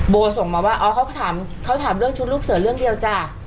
ส่งมาว่าอ๋อเขาถามเรื่องชุดลูกเสือเรื่องเดียวจ้ะ